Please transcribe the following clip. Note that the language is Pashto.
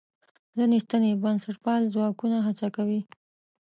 ځینې سنتي بنسټپال ځواکونه هڅه کوي.